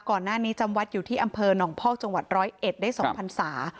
ก่อนหน้านี้จำวัดอยู่ที่อำเภอนองค์พ่อจังหวัด๑๐๑ได้๒พันศา